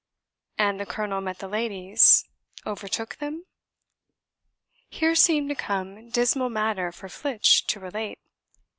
"And the colonel met the ladies? Overtook them?" Here seemed to come dismal matter for Flitch to relate.